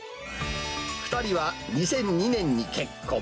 ２人は２００２年に結婚。